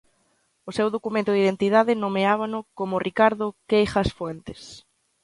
O seu documento de identidade nomeábao como Ricardo Queijas Fuentes.